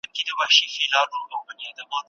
دې لیدنې د هغې مالي حالت بدل کړ.